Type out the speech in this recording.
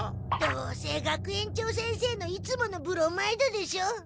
どうせ学園長先生のいつものブロマイドでしょ？